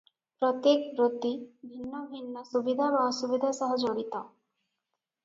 ପ୍ରତ୍ୟେକ ବୃତ୍ତି ଭିନ୍ନ ଭିନ୍ନ ସୁବିଧା ବା ଅସୁବିଧା ସହ ଜଡ଼ିତ ।